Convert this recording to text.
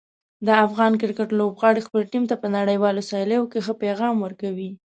د افغان کرکټ لوبغاړي خپل ټیم ته په نړیوالو سیالیو کې ښه پیغام ورکوي.